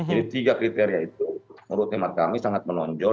jadi tiga kriteria itu menurut teman kami sangat menonjol